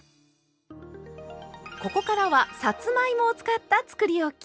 ここからはさつまいもを使ったつくりおき！